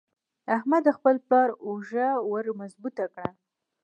احمد د خپل پلار اوږه ور مضبوطه کړه.